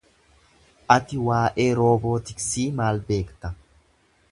Ati waa'ee roobootiksii maal beekta?